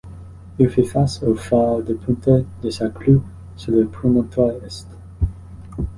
Il fait face au Phare de Punta de Sa Creu sur le promontoire est.